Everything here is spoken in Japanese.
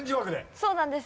そうなんです。